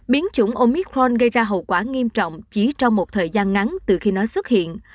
biến chủng omit fron gây ra hậu quả nghiêm trọng chỉ trong một thời gian ngắn từ khi nó xuất hiện